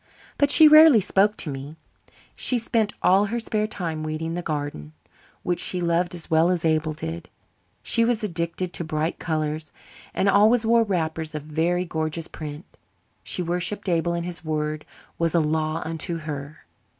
But she rarely spoke to me. She spent all her spare time weeding the garden, which she loved as well as Abel did. She was addicted to bright colours and always wore wrappers of very gorgeous print. She worshipped Abel and his word was a law unto her.